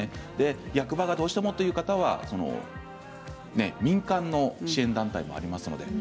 役場がどうしても、という方は民間の支援団体もあります。